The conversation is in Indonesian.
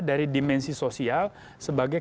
dari dimensi sosial sebagai